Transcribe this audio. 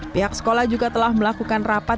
pihak sekolah juga telah melakukan rapat